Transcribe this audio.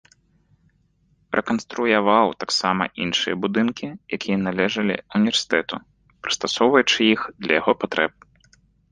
Рэканструяваў таксама іншыя будынкі, якія належалі ўніверсітэту, прыстасоўваючы іх для яго патрэб.